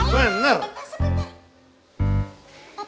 tante sedih pak